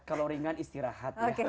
kalau ringan istirahat